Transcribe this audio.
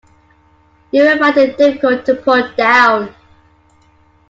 You will find it difficult to put down.